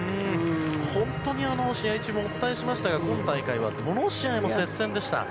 本当に、試合中もお伝えしましたが、今大会はどの試合も接戦でした。